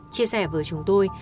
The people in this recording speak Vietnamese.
chia sẻ với chúng tôi